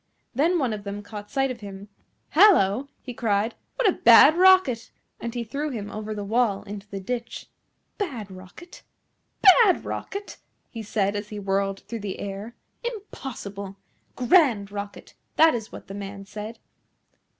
Then one of them caught sight of him. "Hallo!" he cried, "what a bad rocket!" and he threw him over the wall into the ditch. "BAD Rocket? BAD Rocket?" he said, as he whirled through the air; "impossible! GRAND Rocket, that is what the man said.